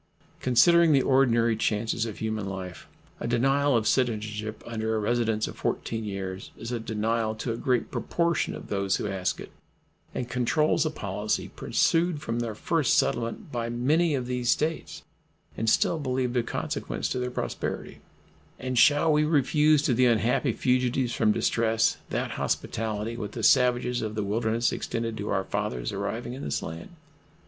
Considering the ordinary chances of human life, a denial of citizenship under a residence of 14 years is a denial to a great proportion of those who ask it, and controls a policy pursued from their first settlement by many of these States, and still believed of consequence to their prosperity; and shall we refuse to the unhappy fugitives from distress that hospitality which the savages of the wilderness extended to our fathers arriving in this land?